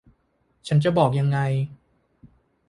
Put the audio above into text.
ฉันจะบอกยังไง